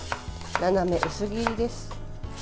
斜め薄切りです。